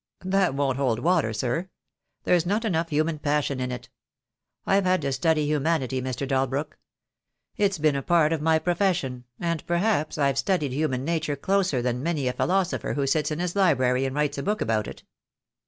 That won't hold water, sir. There's not enough human passion in it. I've had to study humanity, Mr. Dalbrook. It's been a part of my profession, and perhaps I've studied human nature closer than many a philosopher who sits in his library and writes a book about it.